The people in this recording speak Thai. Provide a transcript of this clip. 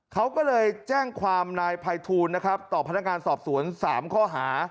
เขาก็เลยแจ้งความนายภัยทูลนะครับต่อพนักงานสอบสวน๓ข้อหา